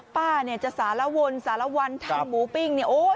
ป้าจะสารวนสารวันทันหมูปิ้งได้ลและของกิน